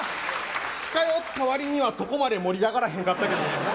近寄ったわりにはそこまで盛り上がらへんかったけど。